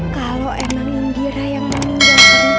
kalau emang indira yang meninggal karena kecelakaan itu